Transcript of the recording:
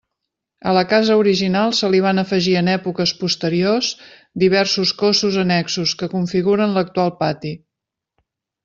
A la casa original se li van afegir en èpoques posteriors diversos cossos annexos que configuren l'actual pati.